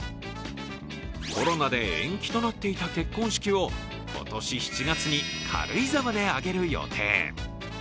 コロナで延期となっていた結婚式を今年７月に軽井沢で挙げる予定。